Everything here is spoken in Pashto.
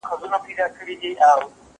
زه کولای سم لوښي وچوم!؟